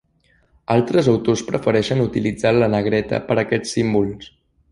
Altres autors prefereixen utilitzar la negreta per a aquests símbols.